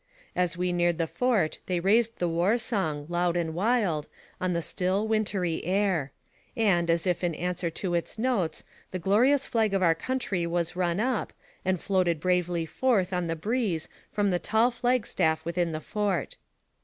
As we neared the fort they raised the war song, loud and wild, on the still, wintiy air; and, as if in answer to its notes, the glorious flag of our country was run up, and floated bravely forth on the breeze from the tall flag staff within the fort.